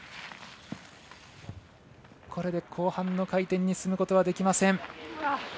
これで後半の回転に進むことはできません。